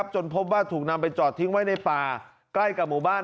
จนพบว่าถูกนำไปจอดทิ้งไว้ในป่าใกล้กับหมู่บ้าน